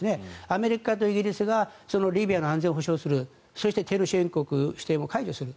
アメリカとイギリスがそのリビアの安全を保障するそしてテロ指定国の指定を解除する。